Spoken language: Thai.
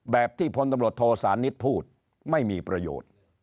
ที่พลตำรวจโทสานิทพูดไม่มีประโยชน์